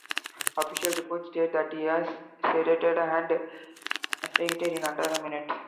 Official reports state that he was sedated, and asphyxiated in under a minute.